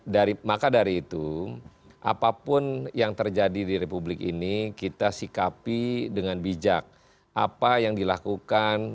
dari maka dari itu apapun yang terjadi di republik ini kita sikapi dengan bijak apa yang dilakukan